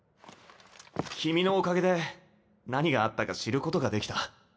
君のおかげで何があったか知ることができた。